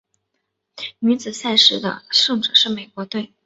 女子赛事的胜者是美国队。